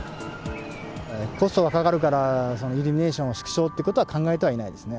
コストがかかるから、イルミネーションを縮小ということは考えてはいないですね。